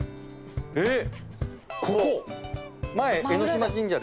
えっ？